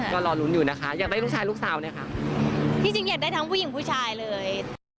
ก็รอลุ้นอยู่นะคะอยากได้ลูกชายลูกสาวเนี่ยค่ะที่จริงอยากได้ทั้งผู้หญิงผู้ชายเลย